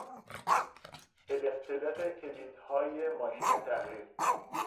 تلقتلق کلیدهای ماشین تحریر